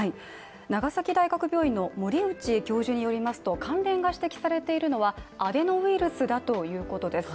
長崎大学病院の森内教授によりますと関連が指摘されているのは、アデノウイルスだということです。